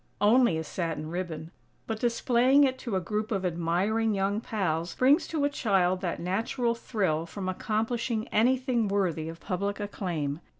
Only a satin ribbon, but, displaying it to a group of admiring young pals brings to a child that natural thrill from accomplishing anything worthy of public acclaim.